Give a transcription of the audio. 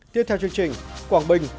tiếp theo chương trình quảng bình